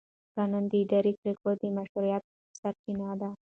قانون د اداري پرېکړو د مشروعیت سرچینه ده.